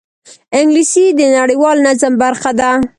انګلیسي د نړیوال نظم برخه ده